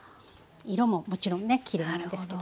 色ももちろんねきれいなんですけど。